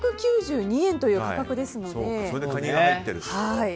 ２９２円という価格ですので。